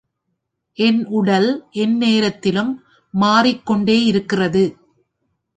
என் உடல் எந்நேரத்திலும் மாறிக்கொண்டேயிருக்கிறது.